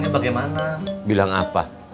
nanti kita ke sana